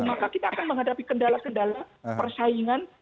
maka kita akan menghadapi kendala kendala persaingan